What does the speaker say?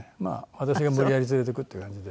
私が無理やり連れていくっていう感じで。